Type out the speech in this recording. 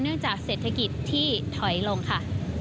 เนื่องจากเศรษฐกิจที่ถอยลงค่ะ